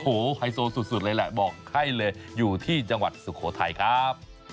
โอ้โหไฮโซสุดเลยแหละบอกให้เลยอยู่ที่จังหวัดสุโขทัยครับ